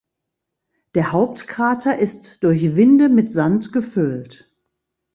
Der Hauptkrater ist durch Winde mit Sand gefüllt.